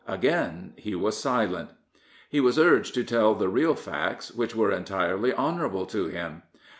Again he was silent. He was urged to tell the real facts, which were entirely honourable to him.